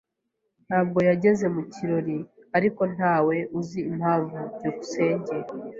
Ntabwo yageze mu kirori, ariko ntawe uzi impamvu. byukusenge